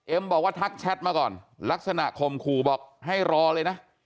บอกว่าทักแชทมาก่อนลักษณะข่มขู่บอกให้รอเลยนะ